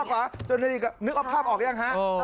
ขวาจนให้อีกนึกภาพออกหรือยังฮะ